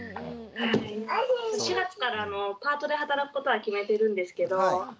４月からパートで働くことは決めてるんですけど。